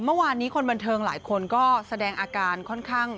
เมื่อวานนี้คนบันเทิงหลายคนก็แสดงอาการค่อนข้าง